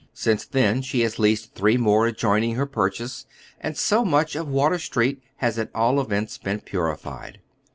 Since then she has leased three more adjoin ing her purchase, and so much of Water Street has at all events been purified.